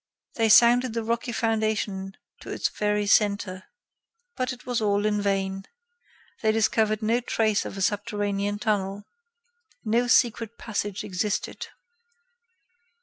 They sounded the rocky foundation to its very centre. But it was all in vain. They discovered no trace of a subterranean tunnel. No secret passage existed.